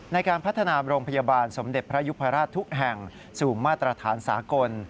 ในการพัฒนาโรงพยาบาลสมเด็จพระยุพราชทุกแห่งสู่มาตรฐานสากล